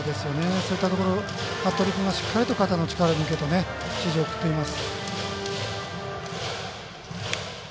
そういったところ服部君はしっかりと肩の力を抜けと指示を送っています。